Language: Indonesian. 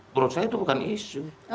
menurut saya itu bukan isu